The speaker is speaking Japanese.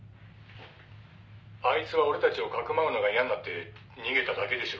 「あいつは俺たちを匿うのが嫌になって逃げただけでしょ」